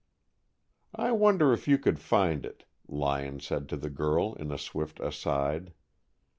"I wonder if you could find it," Lyon said to the girl, in a swift aside.